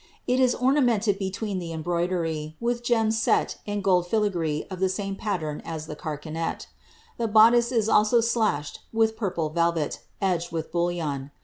It is ornamented between the embroider) with gems set in gold filagree of the same pallern as ilie carcauet. The boddice is also slashed with purple velvet, edged with bullion.